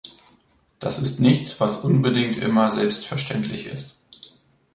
Das ist nichts, was unbedingt immer selbstverständlich ist.